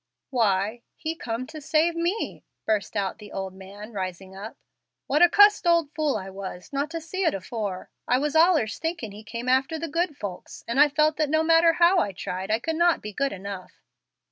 "Why, He come to save me," burst out the old man, rising up. "What a cussed old fool I was, not to see it afore! I was allers thinkin' He came after the good folks, and I felt that no matter how I tried I could not be good enough.